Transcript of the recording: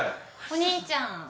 お兄ちゃん。